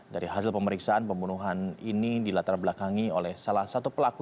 dari hasil pemeriksaan pembunuhan ini dilatar belakangi oleh salah satu pelaku